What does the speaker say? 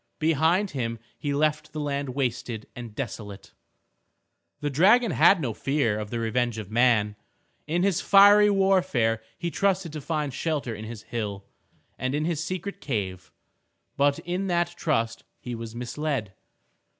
Behind him he left the land wasted and desolate. The dragon had no fear of the revenge of man. In his fiery warfare he trusted to find shelter in his hill, and in his secret cave. But in that trust he was misled.